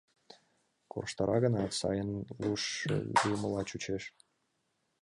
Корштара гынат, сайын, луш лиймыла чучеш.